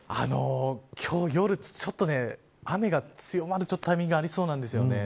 今日、夜、ちょっと雨が強まるタイミングがありそうなんですよね。